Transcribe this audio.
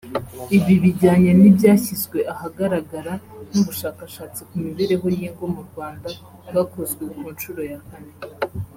Ibi bijyanye n’ibyashyizwe ahagaragara n’ubushakashatsi ku mibereho y’ingo mu Rwanda bwakozwe ku nshuro ya kane